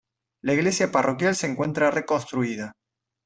La iglesia parroquial se encuentra reconstruida.